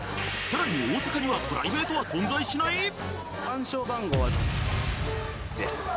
さらに大阪にはプライベートは存在しない！？